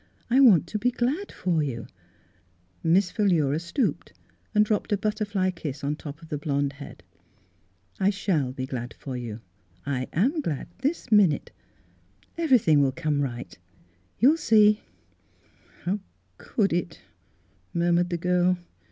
I want to be glad for you." Miss Philura stooped and dropped a butterfly kiss on top of the blond head. " I shall be glad for you — I am glad Miss Philura's Wedding Go xn — this minute. Everything will come right. You'll see !" "How could it.?" murmured the girl.